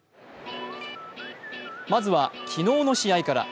まずは、昨日の試合から。